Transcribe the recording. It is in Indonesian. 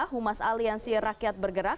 humas aliansi rakyat bergerak